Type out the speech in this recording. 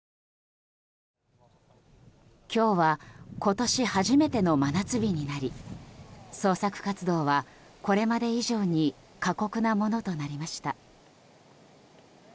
今日は今年初めての真夏日になり捜索活動は、これまで以上に過酷なものとなりました。